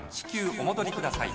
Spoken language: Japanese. おもどりください」。